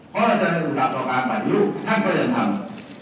เพราะนั่นจะกับมาตาการเปลี่ยนพัดยุทธ์ท่านก็อย่างทำ